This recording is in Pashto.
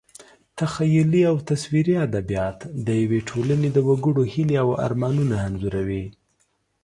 تخیلي او تصویري ادبیات د یوې ټولنې د وګړو هیلې او ارمانونه انځوروي.